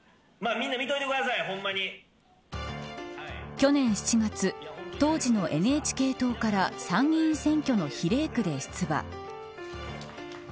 去年７月当時のＮＨＫ党から参議院選挙の比例区で出馬。